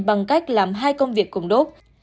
bằng cách làm hai công việc cùng đốt